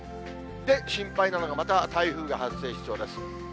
心配なのが、また台風が発生しそうです。